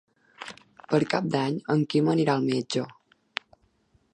Per Cap d'Any en Quim anirà al metge.